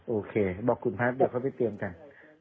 โอเคบอกคุณภาพเดี๋ยวเขาไปเตรียมกัน